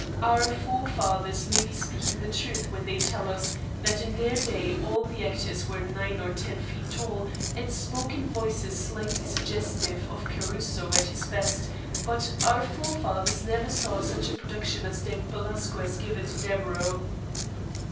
Our forefathers may be speaking the truth when they tell us that in their day all the actors were nine or ten feet tall and spoke in voices slightly suggestive of Caruso at his best, but our forefathers never saw such a production as David Belasco has given to Deburau.